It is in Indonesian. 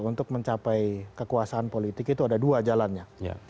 untuk mencapai kekuasaan politik itu ada dua jalannya